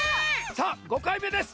さあ５かいめです。